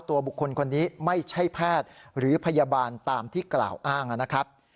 ตัวบุคคลคนนี้ไม่ใช่แพทย์หรือพยาบาลตามที่กล่าวอ้างนะครับ